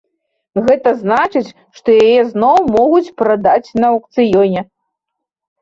Гэта значыць, што яе зноў могуць прадаць на аўкцыёне.